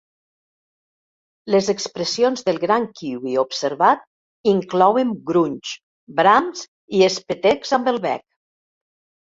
Les expressions del gran kiwi observat inclouen grunys, brams i espetecs amb el bec.